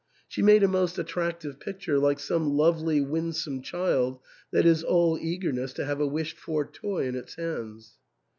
She made a most attractive picture, like some lovely, winsome child that is all eagerness to have a wished for toy in its hands.